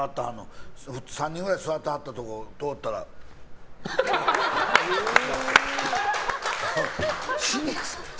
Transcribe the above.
３人ぐらい座ってはったところ通ったら拝まれて。